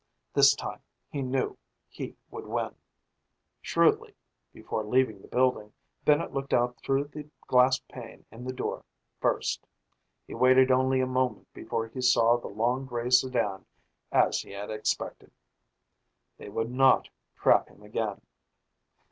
This time he knew he would win. Shrewdly, before leaving the building, Bennett looked out through the glass pane in the door first. He waited only a moment before he saw the long gray sedan as he had expected. They would not trap him again.